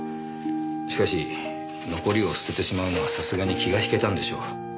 しかし残りを捨ててしまうのはさすがに気が引けたんでしょう。